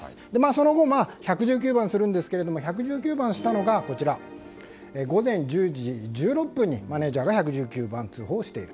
その後、１１９番するんですが１１９番したのが午前１０時１６分にマネジャーが１１９番通報をしている。